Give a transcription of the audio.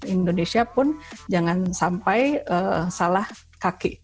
indonesia pun jangan sampai salah kaki